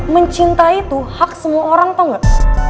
mencintai itu hak semua orang tuh gak